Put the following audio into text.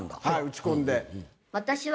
はい打ち込んで。